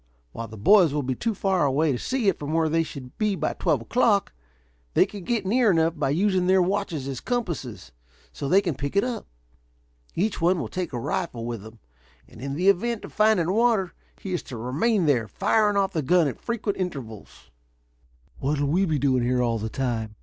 While the boys will be too far away to see it from where they should be by twelve o'clock, they can get near enough, by using their watches as compasses, so they can pick it up. Each one will take a rifle with him, and in the event of finding water he is to remain there, firing off the gun at frequent intervals." "What'll we be doing here all the time?"